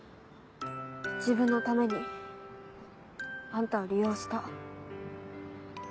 自分のためにあんたを利用した。